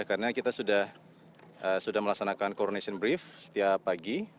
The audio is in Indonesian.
karena kita sudah melaksanakan coordination brief setiap pagi